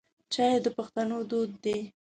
چای د پښتنو دود دی.